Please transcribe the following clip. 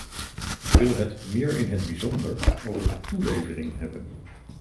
Ik wil het meer in het bijzonder over de toelevering hebben.